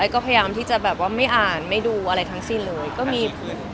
ก็พยายามที่จะแบบว่าไม่อ่านไม่ดูอะไรทั้งสิ้นเลยก็มี